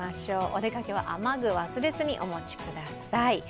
お出かけは雨具を忘れずにお持ちください。